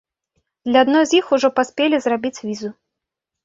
Для адной з іх ужо паспелі зрабіць візу.